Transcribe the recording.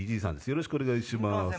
よろしくお願いします。